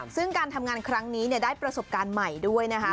ซึ่งการทำงานครั้งนี้ได้ประสบการณ์ใหม่ด้วยนะคะ